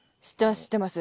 知ってます